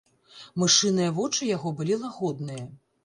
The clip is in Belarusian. Мышыныя вочы яго былі лагодныя.